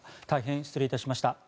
大変失礼致しました。